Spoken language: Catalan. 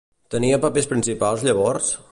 Tenia papers principals llavors?